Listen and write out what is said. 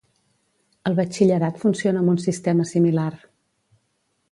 El batxillerat funciona amb un sistema similar.